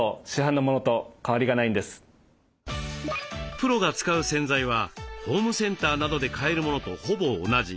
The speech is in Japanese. プロが使う洗剤はホームセンターなどで買えるものとほぼ同じ。